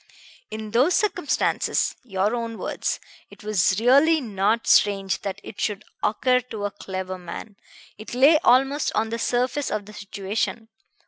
In those circumstances (your own words) it was really not strange that it should occur to a clever man. It lay almost on the surface of the situation.